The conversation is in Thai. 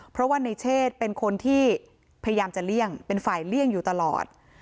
เพราะว่าในเชศเป็นคนที่พยายามจะเลี่ยงเป็นฝ่ายเลี่ยงอยู่ตลอด